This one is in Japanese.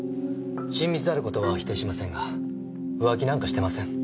親密である事は否定しませんが浮気なんかしてません。